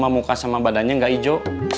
sama muka sama badannya enggak hijau